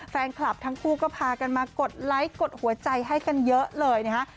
แฟนคลับทั้งคู่ก็พากันมากดไลค์กดหัวใจให้กันเยอะเลยนะฮะ